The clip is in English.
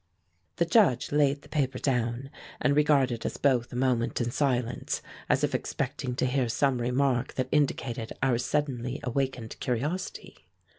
The Judge laid the paper down, and regarded us both a moment in silence, as if expecting to hear some remark that indicated our suddenly awakened curiosity.